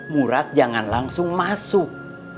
murad jangan langsung masuk